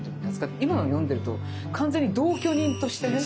今のを読んでると完全に同居人としてね。